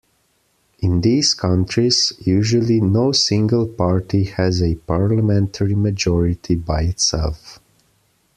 In these countries, usually no single party has a parliamentary majority by itself.